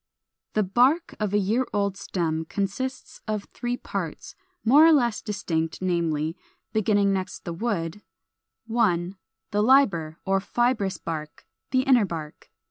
431. =The Bark= of a year old stem consists of three parts, more or less distinct, namely, beginning next the wood, 1. The LIBER or FIBROUS BARK, the Inner Bark.